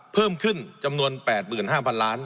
เพิ่มขึ้นจำนวน๘๕๐๐๐ล้าน